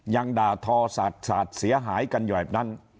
ยังด่าทอสาดเสียหายกันอยู่แบบนั้น